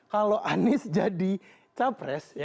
kalau anis jadi capres